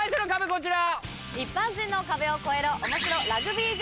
こちら！